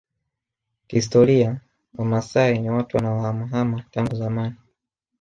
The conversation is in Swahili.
Kihistoria Wamaasai ni watu wanaohamahama tangu zamani